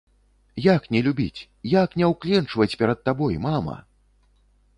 Як не любіць, як не ўкленчваць перад табой, мама?!